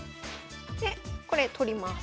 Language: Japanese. でこれ取ります。